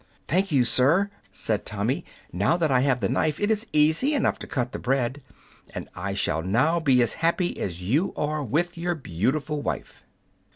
"Thank you, sir," said Tommy; "now that I have the knife it is easy enough to cut the bread, and I shall now be as happy as you are with your beautiful wife."